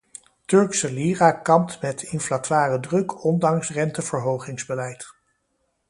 Turkse lira kampt met inflatoire druk ondanks renteverhogingsbeleid.